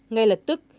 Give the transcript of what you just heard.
ngay lật tức